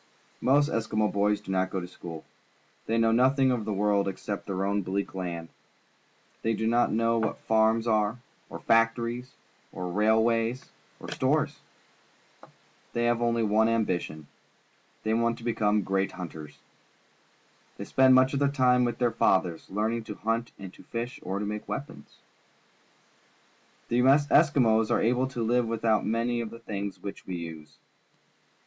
Most Eskimo boys do not go to school. They know nothing of the world except their own bleak land. They do not know what farms are, or factories, or railways, or stores. They have only one ambition. They want to become great hunters. They spend much of their time with their fathers, learning to hunt and to fish or to make weapons. The Eskimos are able to Uve without many of the things which we use.